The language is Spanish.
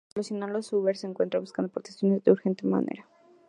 Para solucionarlo, Sauber se encuentra buscando patrocinadores de forma urgente.